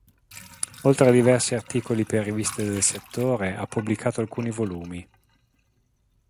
Oltre a diversi articoli per riviste del settore, ha pubblicato alcuni volumi.